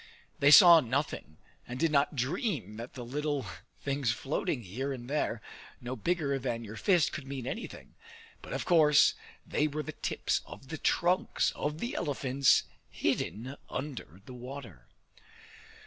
They saw nothing, and did not dream that the little things floating here and there, no bigger than your fist, could mean anything. But of course they were the tips of the trunks of the elephants hidden under the water.